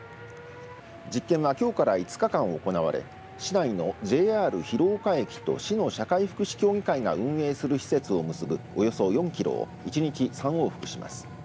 実験はきょうから５日間行われ市内のＪＲ広丘駅と市の社会福祉協議会が運営する施設を結ぶおよそ４キロを１日３往復します。